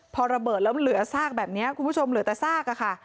พอระเบิดแล้วเหลือซากแบบนี้คุณผู้ชมเหลือแต่ซากค่ะ